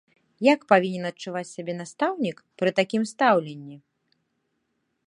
Як павінен адчуваць сябе настаўнік пры такім стаўленні?